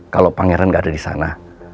kalo pangeran gak ada disana